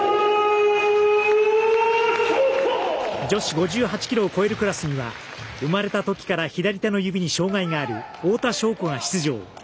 女子５８キロを超えるクラスには生まれたときから左手の指に障がいがある太田渉子が出場。